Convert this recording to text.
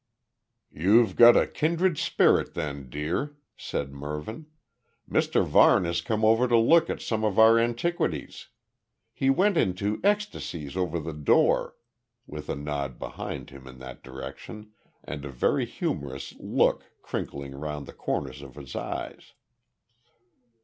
"You've got a kindred spirit then, dear," said Mervyn. "Mr Varne has come over to look at some of our antiquities. He went into ecstasies over the door," with a nod behind him in that direction, and a very humorous look crinkling round the corners of his eyes.